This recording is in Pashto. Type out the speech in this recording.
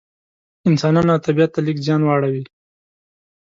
انسانانو او طبیعت ته لږ زیان واړوي.